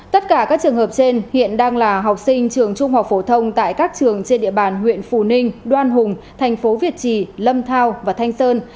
tất cả các trường hợp trên hiện đang là học sinh trường trung học phổ thông tại các trường trên địa bàn huyện phù ninh đoan hùng thành phố việt trì lâm thao và thanh sơn